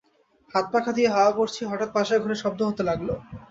হাতপাখা দিয়ে হাওয়া করছি, হঠাৎ পাশের ঘরে শব্দ হতে লাগল।